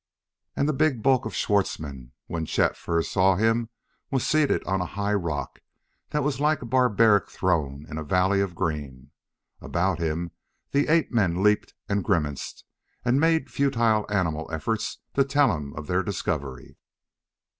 And the big bulk of Schwartzmann, when Chet first saw him, was seated on a high rock that was like a barbaric throne in a valley of green. About him the ape men leaped and grimaced and made futile animal efforts to tell him of their discovery.